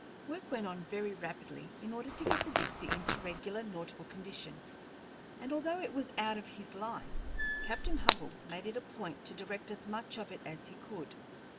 Work went on very rapidly, in order to get the Dipsey into regular nautical condition, and although it was out of his line, Captain Hubbell made it a point to direct as much of it as he could.